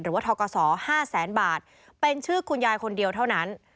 ทกศ๕แสนบาทเป็นชื่อคุณยายคนเดียวเท่านั้น